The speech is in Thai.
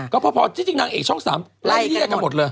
ก็พอจริงนางเอกช่อง๓เล่นเหี้ยกับหมดเลย